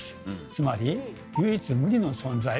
つまり唯一無二の存在。